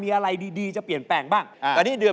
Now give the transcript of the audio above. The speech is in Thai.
เพราะว่ารายการหาคู่ของเราเป็นรายการแรกนะครับ